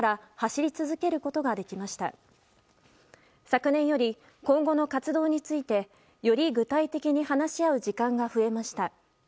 昨年より今後の活動についてより話し合う時間が増えました。